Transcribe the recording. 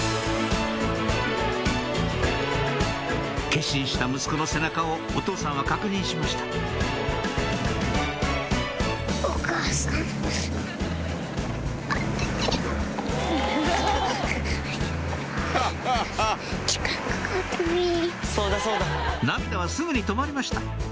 決心した息子の背中をお父さんは確認しました涙はすぐに止まりました